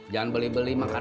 jangan beli beli makanan